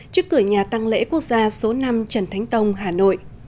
trước cửa nhà tăng lễ quốc gia số năm trần thánh tông hà nội